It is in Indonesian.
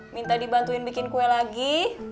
iya pi minta dibantuin bikin kue lagi